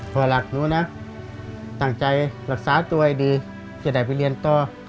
พ่อหลักหนูนะตั้งใจรักษาตัวให้ดีจะได้ไปเรียนต่อ